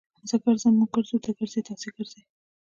زه ګرځم. موږ ګرځو. تۀ ګرځې. تاسي ګرځئ.